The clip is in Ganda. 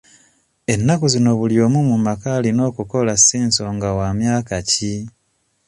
Ennaku zino buli omu mu maka alina okukola si nsonga wa myaka ki?